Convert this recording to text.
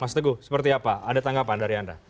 mas teguh seperti apa ada tanggapan dari anda